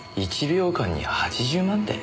１秒間に８０万手？